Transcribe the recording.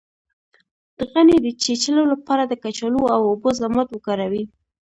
د غڼې د چیچلو لپاره د کچالو او اوبو ضماد وکاروئ